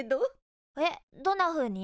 えっどんなふうに？